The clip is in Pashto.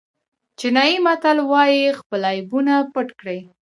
چینایي متل وایي خپل عیبونه پټ کړئ.